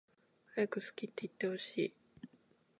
はやく好きっていってほしい